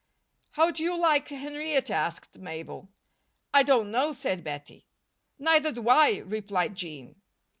"How do you like Henrietta?" asked Mabel. "I don't know," said Bettie. "Neither do I," replied Jean.